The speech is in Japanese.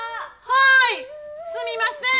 はいすみません。